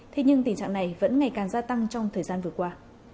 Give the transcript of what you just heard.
thế nhưng tình trạng này vẫn ngày càng gia tăng trong thời gian vừa qua